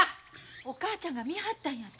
お母ちゃんが見いはったんやて？